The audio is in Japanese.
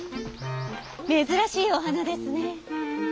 珍しいお花ですね。